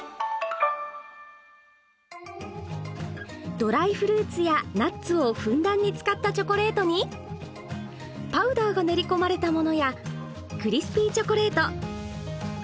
ドライフルーツやナッツをふんだんに使ったチョコレートにパウダーが練りこまれたものやクリスピーチョコレート。